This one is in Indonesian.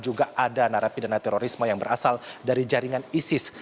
juga ada narapidana terorisme yang berasal dari jaringan isis